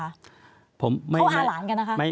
เขาหาหลานกันนะคะ